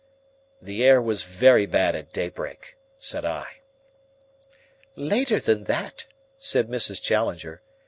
"The air was very bad at daybreak," said I. "Later than that," said Mrs. Challenger.